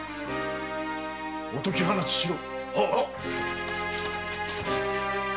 お解き放ちしろ！